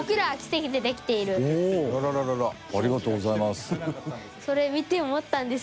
ありがとうございます。